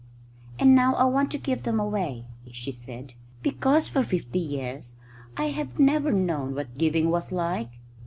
"And now I want to give them away," she said, "because for fifty years I have never known what giving was like."